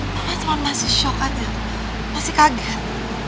mama cuman masih shock aja masih kaget